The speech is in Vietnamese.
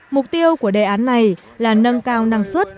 mục tiêu của đề án này là nâng cao năng suất